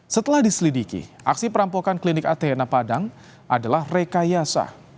setelah diselidiki aksi perampokan klinik athena padang adalah rekayasa